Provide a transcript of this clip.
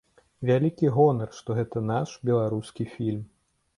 Вялікі гонар, што гэта наш, беларускі фільм.